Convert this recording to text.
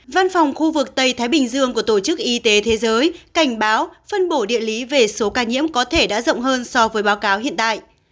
văn phòng khu vực tây thái bình dương của tổ chức y tế thế giới cảnh báo phân bổ địa lý về số ca nhiễm có thể đã rộng hơn so với báo cáo hiện tại